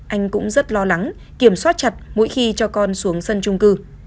anh cũng rất lo lắng kiểm soát chặt mỗi khi cho con xuống sân trung cư